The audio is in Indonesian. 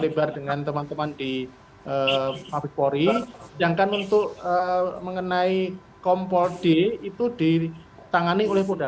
lebar dengan teman teman di mavis polri jangkaan untuk mengenai kompor d itu ditangani oleh punda